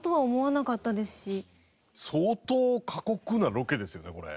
相当過酷なロケですよねこれ。